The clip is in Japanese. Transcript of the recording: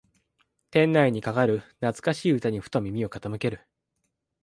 店内にかかる懐かしい歌にふと耳を傾ける